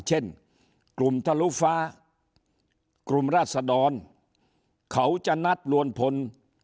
เช่นกลุ่มทะลุฟ้ากลุ่มราศดรเขาจะนัดลวนพล